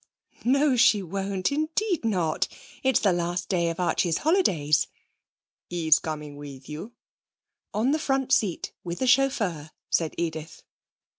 'No, she won't. Indeed not! It's the last day of Archie's holidays.' 'He's coming with you?' 'On the front seat, with the chauffeur,' said Edith.